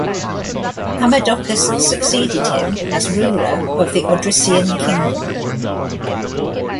Amadocus succeeded him as ruler of the Odrysian kingdom.